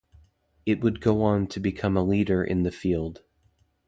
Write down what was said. It would go on to become a leader in the field.